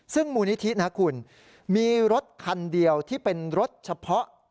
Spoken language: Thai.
ซึ่งมูลนิธินะคุณมีรถคันเดียวที่เป็นรถเฉพาะ